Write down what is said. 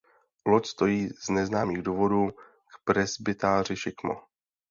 Loď stojí z neznámých důvodů k presbytáři šikmo.